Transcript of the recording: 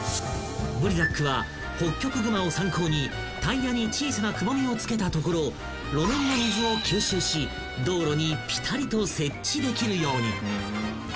［ブリザックはホッキョクグマを参考にタイヤに小さなくぼみをつけたところ路面の水を吸収し道路にぴたりと接地できるように］